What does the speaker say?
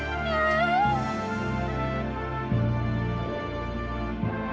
jadi aku harus menyembuhkan mereka